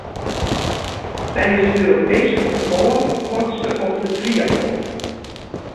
Sy is Europeesk rekôrhâldster op de triatlon.